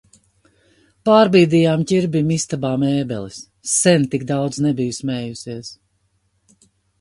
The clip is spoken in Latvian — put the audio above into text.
Pārbīdījām Ķirbim istabā mēbeles, sen tik daudz nebiju smējusies.